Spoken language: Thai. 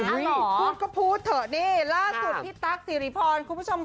พูดก็พูดเถอะนี่ล่าสุดพี่ตั๊กสิริพรคุณผู้ชมค่ะ